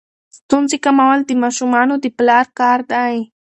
ستونزې کمول د ماشومانو د پلار کار دی.